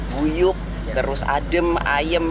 guyuk terus adem ayem